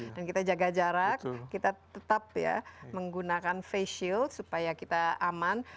dan kita jaga jarak kita tetap ya menggunakan face shield supaya kita aman